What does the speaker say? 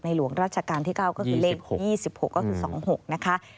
หลวงราชการที่๙ก็คือเลข๒๖ก็คือ๒๖นะคะ